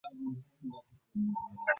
ক্লিষ্টকণ্ঠে এলা বললে, তুমি ভুললে কেন, অন্তু?